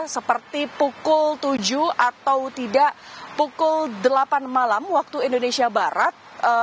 seperti pukul tujuh atau tidak pukul delapan malam waktu indonesia barat